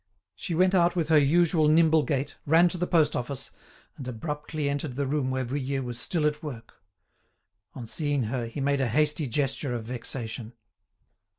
She went out with her usual nimble gait, ran to the post office, and abruptly entered the room where Vuillet was still at work. On seeing her he made a hasty gesture of vexation.